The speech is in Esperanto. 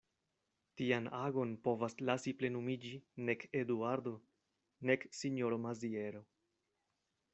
Tian agon povas lasi plenumiĝi nek Eduardo nek sinjoro Maziero.